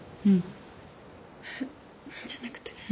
うんじゃなくて。